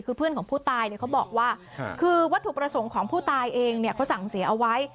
คือเพื่อนของผู้ตายเขาบอกว่าคือวัตถุประสงค์ของผู้ตายเองเนี่ยเขาสั่งเสียเอาไว้